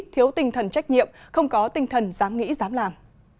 thiếu tinh thần trách nhiệm không có tinh thần dám nghĩ dám làm